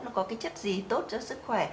nó có cái chất gì tốt cho sức khỏe